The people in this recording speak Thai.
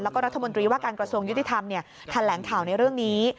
แล้วก็รัฐมนตรีว่าการกระทรวงยุติธรรมแถลงข่าวในเรื่องนี้